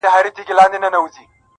سړي خلګو ته ویله لاس مو خلاص دئ,